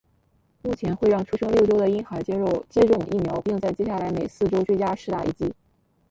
目前会让出生六周的婴孩接种疫苗并在接下来每四周追加施打一剂。